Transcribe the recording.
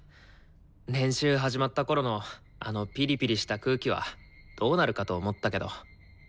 練習始まったころのあのピリピリした空気はどうなるかと思ったけど。